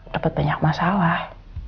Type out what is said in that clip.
dapat banyak masalah